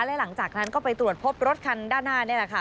และหลังจากนั้นก็ไปตรวจพบรถคันด้านหน้านี่แหละค่ะ